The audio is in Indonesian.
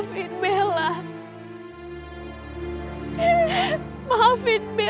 jadi kau harus mengharukan my life